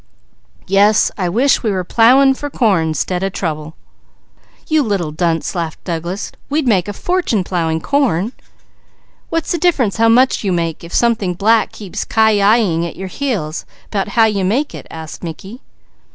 Yes, I wish we were plowing for corn 'stead of trouble." "You little dunce," laughed Douglas. "We'd make a fortune plowing corn." "What's the difference how much you make if something black keeps ki yi ing at your heels 'bout how you make it?" asked Mickey.